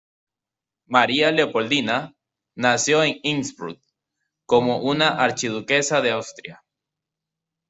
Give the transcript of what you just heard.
María Leopoldina nació en Innsbruck como una archiduquesa de Austria.